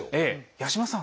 八嶋さん